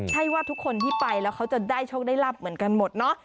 ใช่ว่าทุกคนที่ไปแล้วเขาจะได้โชคได้รับเหมือนกันหมดเนาะ